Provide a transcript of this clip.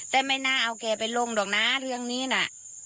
แต่ไม่น่าเอาแกไปลงหรอกนะเรื่องนี้น่ะ